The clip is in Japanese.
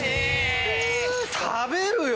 食べるよ！